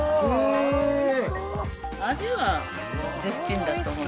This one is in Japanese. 味は絶品だと思います。